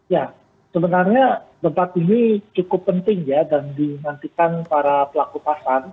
ya sebenarnya debat ini cukup penting ya dan dinantikan para pelaku pasar